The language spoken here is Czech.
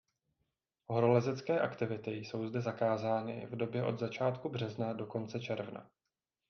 Horolezecké aktivity jsou zde zakázány v době od začátku března do konce června.